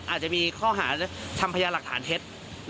อาจจะมีข้อหาทำพยาหลักฐานเท็จ